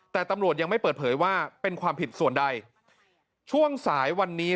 แต่ตำรวจยังไม่เปิดเผยว่าเป็นความผิดส่วนใด